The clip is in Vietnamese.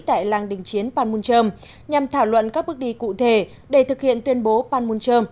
tại làng đình chiến panmunjom nhằm thảo luận các bước đi cụ thể để thực hiện tuyên bố panmunjom